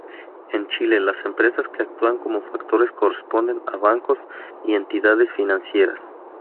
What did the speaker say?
En Chile, las empresas que actúan como factores corresponden a bancos y entidades financieras.